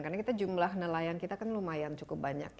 karena kita jumlah nelayan kita kan lumayan cukup banyak